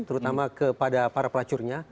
terutama kepada para pelacurnya